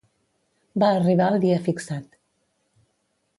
Va arribar el dia fixat.